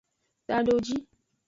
Tadojii.